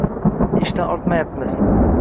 Ishdan ortmayapmiz.